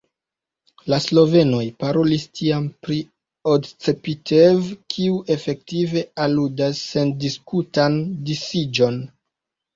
La slovenoj parolis tiam pri odcepitev, kiu efektive aludas sendiskutan disiĝon.